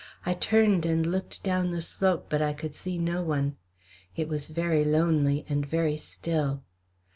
I turned and looked down the slope, but I could see no one. It was very lonely and very still.